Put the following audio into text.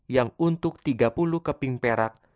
yang untuk tiga puluh keping perak